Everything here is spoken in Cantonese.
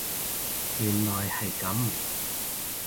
原來係噉